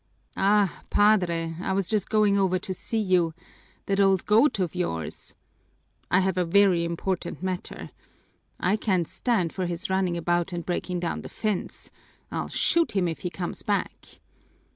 "Ah, Padre, I was just going over to see you. That old goat of yours " "I have a very important matter " "I can't stand for his running about and breaking down the fence. I'll shoot him if he comes back!"